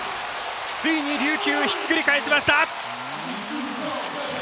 ついに琉球、ひっくり返しました。